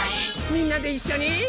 みんなでいっしょに！